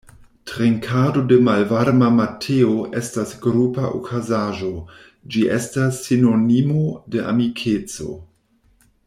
Trinkado de malvarma mateo estas grupa okazaĵo, ĝi estas sinonimo de amikeco.